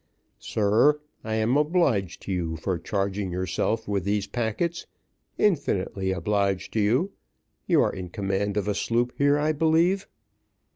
"Sir, I am obliged to you for charging yourself with these packets infinitely obliged to you. You are in command of a sloop here, I believe."